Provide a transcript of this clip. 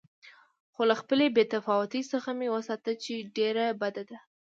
خو له خپلې بې تفاوتۍ څخه مې وساته چې ډېره بده ده.